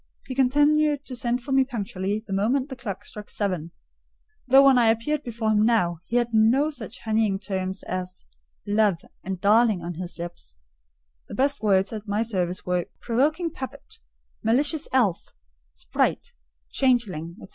He continued to send for me punctually the moment the clock struck seven; though when I appeared before him now, he had no such honeyed terms as "love" and "darling" on his lips: the best words at my service were "provoking puppet," "malicious elf," "sprite," "changeling," &c.